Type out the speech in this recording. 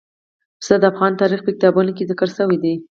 پسه د افغان تاریخ په کتابونو کې ذکر شوی دي.